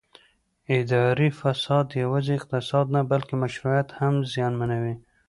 اداري فساد یوازې اقتصاد نه بلکې مشروعیت هم زیانمنوي